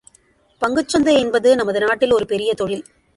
பங்குச் சந்தை என்பது நமது நாட்டில் ஒரு பெரிய தொழில்!